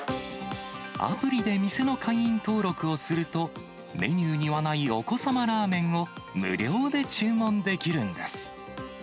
アプリで店の会員登録をすると、メニューにはないお子様ラーメンを無料で注文できるんです。